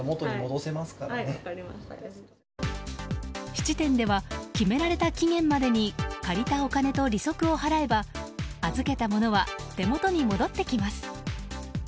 質店では決められた期限までに借りたお金と利息を払えば預けたものは手元に戻ってきます。